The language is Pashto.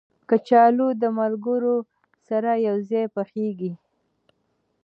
کچالو د ملګرو سره یو ځای پخېږي